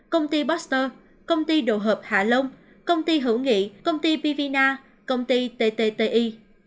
công ty buster công ty đồ hợp hạ lông công ty hữu nghị công ty bivina công ty ttti